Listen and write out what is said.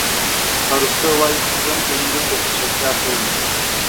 ارسطو وایي خپل ځان پېژندل د هوښیارتیا پیل دی.